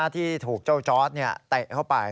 ที่ถูกเจ้าจอร์ดเตะเข้าไป